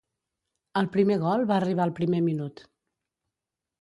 El primer gol va arribar al primer minut.